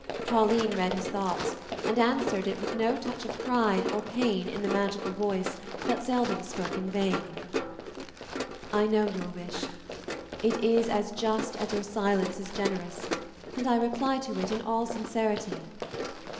Pauline read his thought, and answered it with no touch of pain or pride in the magical voice that seldom spoke in vain. "I know your wish; it is as just as your silence is generous, and I reply to it in all sincerity.